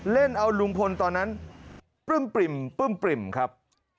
เล่นเอาลุงพลตอนนั้นปึ้มปริ่มครับ